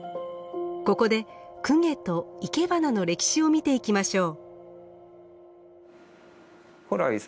ここで供華といけばなの歴史を見ていきましょう。